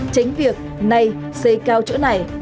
tránh việc này xây cao chỗ này